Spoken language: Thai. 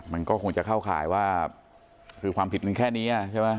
มันก็คงจะเข้าข่ายว่าคือความผิดมันแค่นี้ใช่ไหม